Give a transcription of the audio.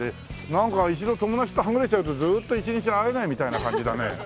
なんか一度友達とはぐれちゃうとずっと一日会えないみたいな感じだね。